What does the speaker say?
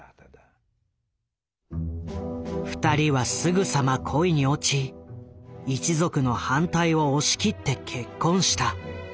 ２人はすぐさま恋に落ち一族の反対を押し切って結婚した。